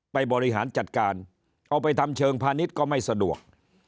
บริหารจัดการเอาไปทำเชิงพาณิชย์ก็ไม่สะดวก